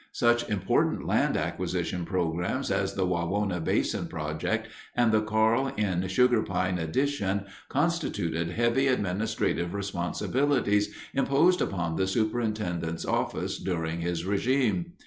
Such important land acquisition programs as the Wawona Basin project and the Carl Inn sugar pine addition constituted heavy administrative responsibilities imposed upon the superintendent's office during his regime.